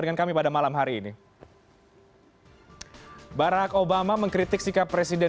dengan kami pada malam hari ini barack obama mengkritik sikap presiden